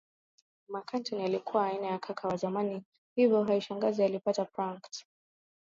Marc Antony alikuwa aina ya kaka wa zamani hivyo haishangazi alipata pranked